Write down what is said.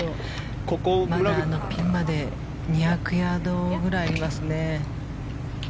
ピンまで２００ヤードぐらいありますね。